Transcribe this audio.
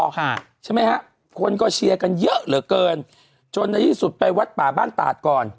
ค่ะใช่ไหมฮะคนก็เชียร์กันเยอะเหลือเกินจนในที่สุดไปวัดป่าบ้านตาดก่อน